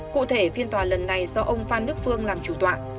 cụ thể phiên tòa lần này do ông phan đức phương làm chủ tọa